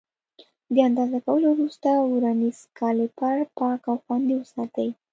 د اندازه کولو وروسته ورنیز کالیپر پاک او خوندي وساتئ.